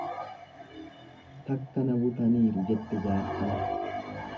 Takka na butaniiru jette jaartin.